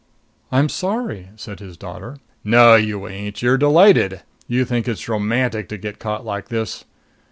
"I'm sorry," said his daughter. "No, you ain't! You're delighted! You think it's romantic to get caught like this.